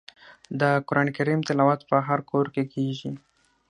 د قران کریم تلاوت په هر کور کې کیږي.